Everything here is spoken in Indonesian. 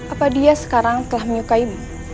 apa dia sekarang telah menyukai mu